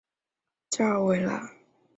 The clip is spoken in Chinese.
加尔拉韦。